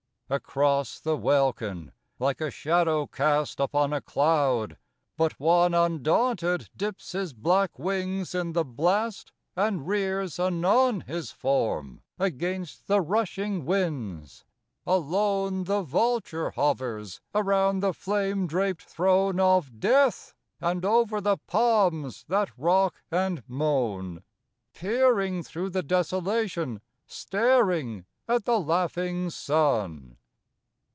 Across the welkin, like a shadow cast Upon a cloud, but one Undaunted dips his black wings in the blast And rears anon His form against the rushing winds; alone The vulture hovers around the flame draped throne Of Death, and over the palms that rock and moan, Peering through the desolation, staring at the laughing sun.